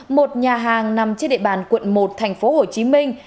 một nhà hàng nằm trên địa bàn quận một thành phố hồ chí minh